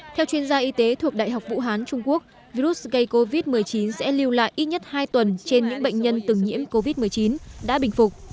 theo chuyên gia y tế thuộc đại học vũ hán trung quốc virus gây covid một mươi chín sẽ lưu lại ít nhất hai tuần trên những bệnh nhân từng nhiễm covid một mươi chín đã bình phục